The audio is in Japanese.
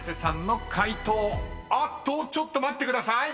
［あっと⁉ちょっと待ってください］